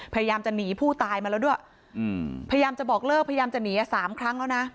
พยายามจะหนีผู้ตายมาแล้วด้วยพยายามจะบอกเลิกพยายามจะหนี๓ครั้งแล้วนะ